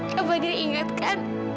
kamu masih ingat kan